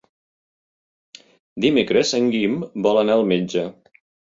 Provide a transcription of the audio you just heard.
Dimecres en Guim vol anar al metge.